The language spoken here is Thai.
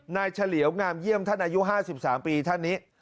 เฉลียวงามเยี่ยมท่านอายุ๕๓ปีท่านนี้